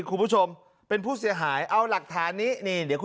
คุณผู้ชมเป็นผู้เสียหายเอาหลักฐานนี้นี่เดี๋ยวคุณ